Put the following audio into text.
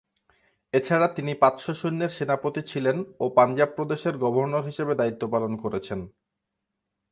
এছাড়া তিনি পাঁচশ সৈন্যের সেনাপতি ছিলেন ও পাঞ্জাব প্রদেশের গভর্নর হিসেবে দায়িত্ব পালন করেছেন।